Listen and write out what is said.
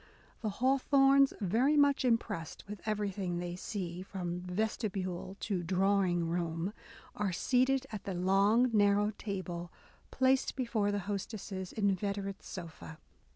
The Hawthornes, very much impressed with everything they see, from vesti bule to drawing room, are soon seated at the long narrow table placed before their hostess's inveterate sofa.